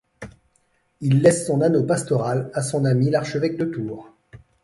Il laisse son anneau pastoral à son ami l'archevêque de Tours.